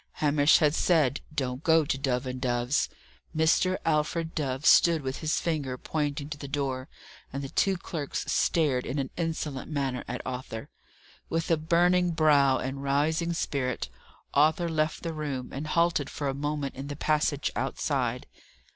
Hamish had said, "Don't go to Dove and Dove's." Mr. Alfred Dove stood with his finger pointing to the door, and the two clerks stared in an insolent manner at Arthur. With a burning brow and rising spirit, Arthur left the room, and halted for a moment in the passage outside.